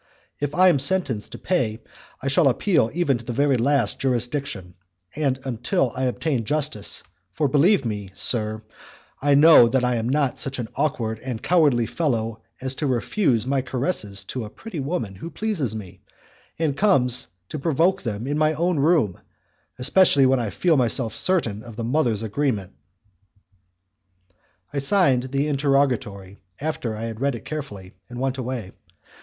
If I am sentenced to pay I shall appeal even to the last jurisdiction and until I obtain justice, for believe me, sir, I know that I am not such an awkward and cowardly fellow as to refuse my caresses to a pretty woman who pleases me, and comes to provoke them in my own room, especially when I feel myself certain of the mother's agreement." I signed the interrogatory after I had read it carefully, and went away.